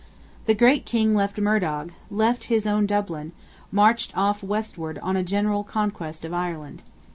The great King left Murdog; left his own Dublin; marched off westward on a general conquest of Ireland.